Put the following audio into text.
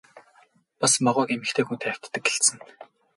Бас могойг эмэгтэй хүнтэй хавьтдаг гэлцэнэ.